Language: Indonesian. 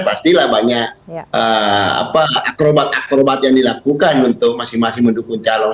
pastilah banyak akrobat akrobat yang dilakukan untuk masing masing mendukung calon